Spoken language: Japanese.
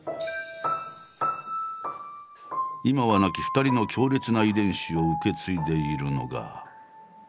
今は亡き２人の強烈な遺伝子を受け継いでいるのが。